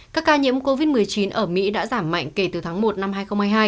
các ca nhiễm covid một mươi chín ở mỹ đã giảm mạnh kể từ tháng một năm hai nghìn hai mươi hai